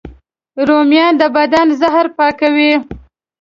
رومیان د بدن زهر پاکوي